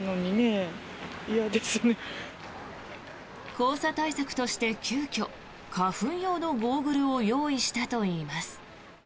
黄砂対策として急きょ、花粉用のゴーグルを用意したといいます。